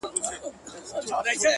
نو دغه نوري شپې بيا څه وكړمه-